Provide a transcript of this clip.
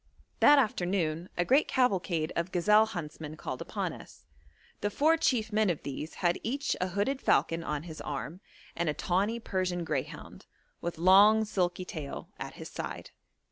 That afternoon a great cavalcade of gazelle huntsmen called upon us. The four chief men of these had each a hooded falcon on his arm, and a tawny Persian greyhound, with long silky tail, at his side.